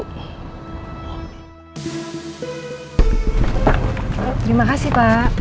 terima kasih pak